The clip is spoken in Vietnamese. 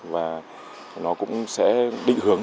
và nó cũng sẽ định hướng